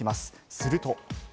すると。